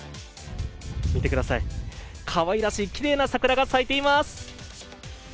見てください、かわいらしいきれいな桜が咲いています。